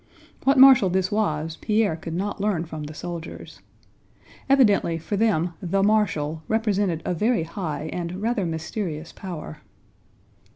What marshal this was, Pierre could not learn from the soldiers. Evidently for them "the marshal" represented a very high and rather mysterious power.